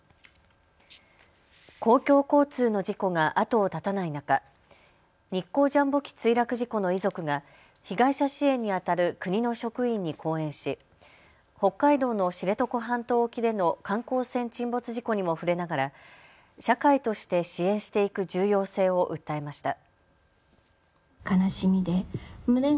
公共交通の事故が後を絶たない中、日航ジャンボ機墜落事故の遺族が被害者支援にあたる国の職員に講演し北海道の知床半島沖での観光船沈没事故にも触れながら社会として支援していく重要性を訴えました。